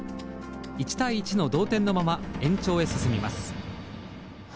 １対１の同点のまま延長へ進みます。